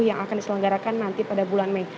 yang akan diselenggarakan nanti pada bulan mei